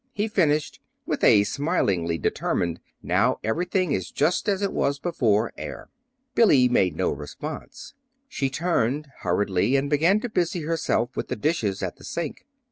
he finished, with a smilingly determined "now everything is just as it was before" air. Billy made no response. She turned hurriedly and began to busy herself with the dishes at the sink.